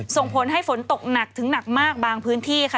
ส่งผลให้ฝนตกหนักถึงหนักมากบางพื้นที่ค่ะ